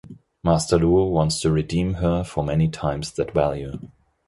Master Luo wants to redeem her for many times that value.